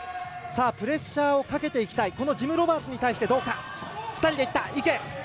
プレッシャーをかけていきたいジム・ロバーツに対してどうか。